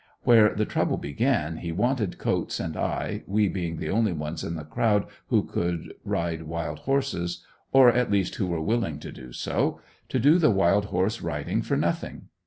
Where the trouble began, he wanted Coats and I, we being the only ones in the crowd who could ride wild horses or at least who were willing to do so, to do the wild horse riding for nothing.